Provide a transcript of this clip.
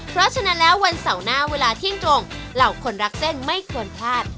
เพราะฉะนั้นแล้ววันเสาร์หน้าเวลาเที่ยงตรงเหล่าคนรักเส้นไม่ควรพลาด